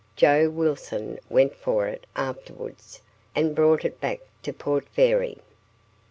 Joe Wilson went for it afterwards, and brought it back to Port Fairy.